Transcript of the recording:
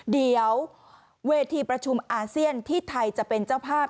เดี๋ยวเวทีประชุมอาเซียนที่ไทยจะเป็นเจ้าภาพ